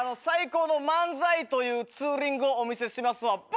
最高の漫才というツーリングをお見せしますわ。